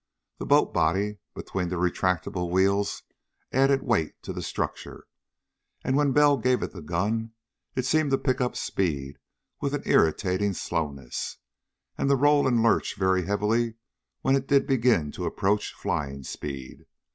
The boat body between the retractable wheels added weight to the structure, and when Bell gave it the gun it seemed to pick up speed with an irritating slowness, and to roll and lurch very heavily when it did begin to approach flying speed.